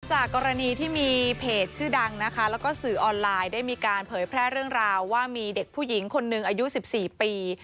จากกรณีที่มีเพจชื่อดังนะคะแล้วก็สื่อออนไลน์ได้มีการเผยแพร่เรื่องราวว่ามีเด็กผู้หญิงคนหนึ่งอายุ๑๔ปี